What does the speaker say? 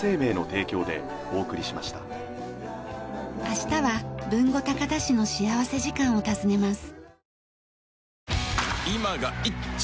明日は豊後高田市の幸福時間を訪ねます。